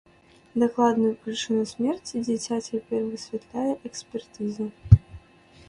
Дакладную прычыну смерці дзіця цяпер высвятляе экспертыза.